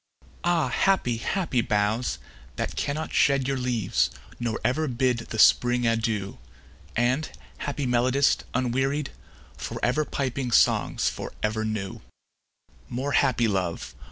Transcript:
Ah, happy, happy boughs! that cannot shed Your leaves, nor ever bid the Spring adieu; And, happy melodist, unwearied, For ever piping songs for ever new; More happy love!